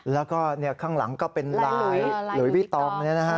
แล้วก็ข้างหลังก็เป็นลายหลุยวิตอง